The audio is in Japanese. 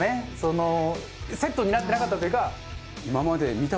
セットになってなかったというか。